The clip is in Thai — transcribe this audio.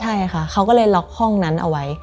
ใช่ค่ะเขาก็เลยล็อกห้องนั้นเอาไว้